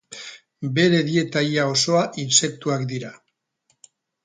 Bere dieta ia osoa intsektuak dira.